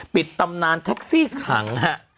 ปิดตำนานแท็กซี่ขัง